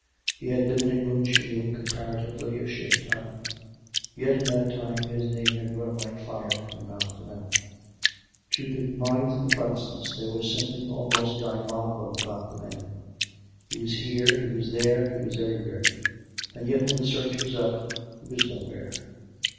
He had been in England, she knew, comparatively a short time; yet in that time, his name had run like fire from mouth to mouth. To the minds of Protestants there was something almost diabolical about the man; he was here, he was there, he was everywhere, and yet, when the search was up, he was nowhere.